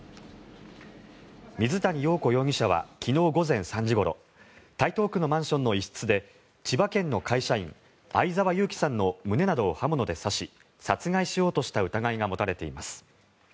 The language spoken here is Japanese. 水谷陽子容疑者は昨日午前３時ごろ台東区のマンションの一室で千葉県の会社員、相沢勇樹さんの胸などを刃物で刺し殺害しようとした疑いが持たれています。